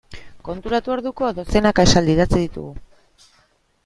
Konturatu orduko dozenaka esaldi idatzi ditugu.